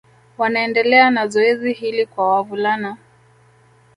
Wanaendelea na zoezi hili kwa wavulana